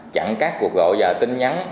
năm chặn các cuộc gọi và tin nhắn